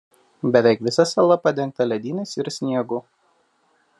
Beveik visa sala padengta ledynais ir sniegu.